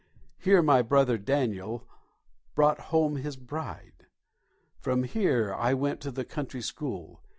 Here my brother Daniel brought home his bride. From here I went to the country school.